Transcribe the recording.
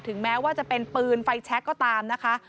แม้ว่าจะเป็นปืนไฟแช็คก็ตามนะคะ